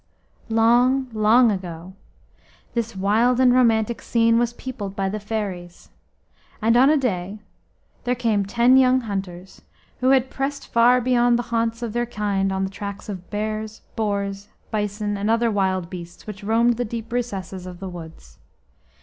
Long, long ago, this wild and romantic scene was peopled by the fairies, and on a day there came ten young hunters who had pressed far beyond the haunts of their kind on the tracks of bears, boars, bison, and other wild beasts which roamed the deep recesses of the woods.